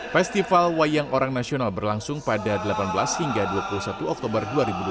festival wayang orang nasional berlangsung pada delapan belas hingga dua puluh satu oktober dua ribu dua puluh